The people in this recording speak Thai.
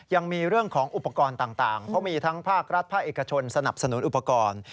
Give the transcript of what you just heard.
ยังมีเรื่องของอุปกรณ์ต่างเพราะมีทั้งภาครัฐภาคเอกชนสนับสนุนอุปกรณ์